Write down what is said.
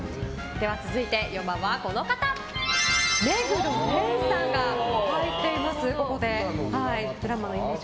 では続いて４番は目黒蓮さんが入っています。